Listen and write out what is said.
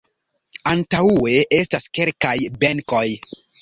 Antaŭe estas kelkaj benkoj.